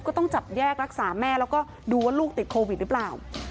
ก็ต้องจับแยกรักษาแม่แล้วก็ดูว่าลูกติดโควิดหรือเปล่า